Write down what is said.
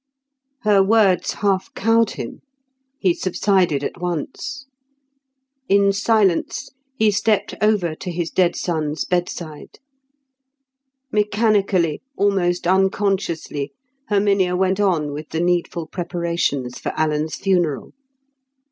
Her words half cowed him. He subsided at once. In silence he stepped over to his dead son's bedside. Mechanically, almost unconsciously, Herminia went on with the needful preparations for Alan's funeral.